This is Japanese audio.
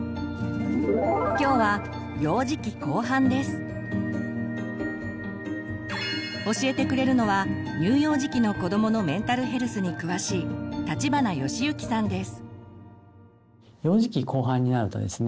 今日は教えてくれるのは乳幼児期の子どものメンタルヘルスに詳しい幼児期後半になるとですね